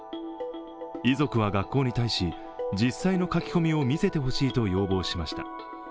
遺族は学校に対し、実際の書き込みを見せてほしいと要望しました。